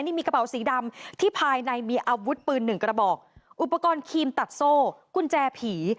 นี่มีกระเป๋าสีดำที่ภายในมีอาวุธปืนหนึ่งกระบอกอุปกรณ์ครีมตัดโซ่กุญแจผี